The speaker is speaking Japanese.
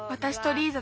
リーザ！